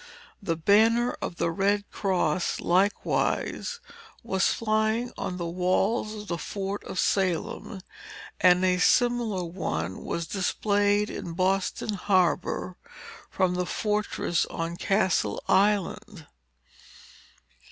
The banner of the Red Cross, likewise, was flying on the walls of the fort of Salem; and a similar one was displayed in Boston harbor, from the fortress on Castle Island.